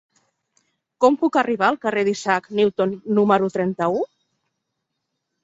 Com puc arribar al carrer d'Isaac Newton número trenta-u?